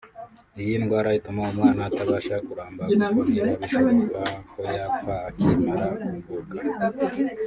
Iyi ndwara ituma umwana atabasha kuramba kuko biba bishoboka ko yapfa akimara kuvuka